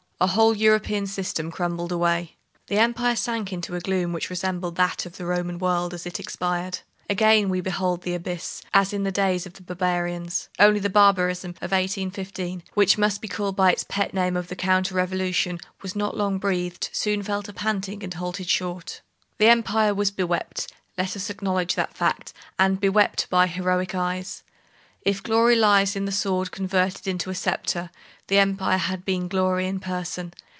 A whole European system crumbled away. The Empire sank into a gloom which resembled that of the Roman world as it expired. Again we behold the abyss, as in the days of the barbarians; only the barbarism of 1815, which must be called by its pet name of the counter revolution, was not long breathed, soon fell to panting, and halted short. The Empire was bewept,—let us acknowledge the fact,—and bewept by heroic eyes. If glory lies in the sword converted into a sceptre, the Empire had been glory in person.